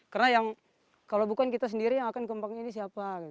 karena yang kalau bukan kita sendiri yang akan kembangin ini siapa